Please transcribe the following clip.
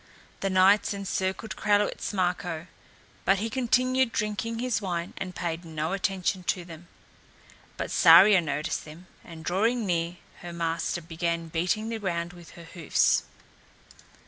The knights encircled Kralewitz Marko, but he continued drinking his wine and paid no attention to them. But Saria noticed them, and drawing near her master began beating the ground with her hoofs.